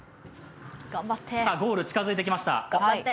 ゴール近づいてきました。